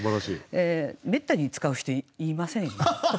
めったに使う人いませんよね。